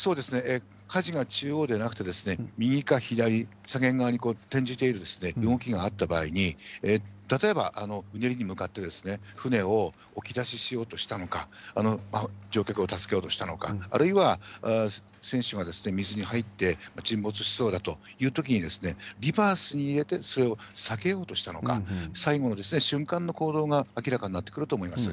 かじが中央じゃなくて、右か左、左舷側に転じている動きがあった場合に、例えばに向かって船を置き出ししようとしたのか、乗客を助けようとしたのか、あるいは船首が水に入って沈没しそうだというときに、リバースに入れて、それを避けようとしたのか、最後の瞬間の行動が明らかになってくると思います。